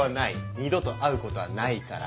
二度と会うことはないから。